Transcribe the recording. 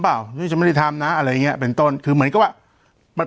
เปล่าในไม่ได้ทำนะอะไรเนี้ยเป็นต้นคือเหมือนกว่ามันเป็น